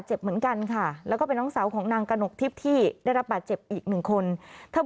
ชื่อว่านางอนมาใจอุดม